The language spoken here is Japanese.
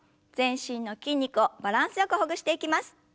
全身の筋肉をバランスよくほぐしていきます。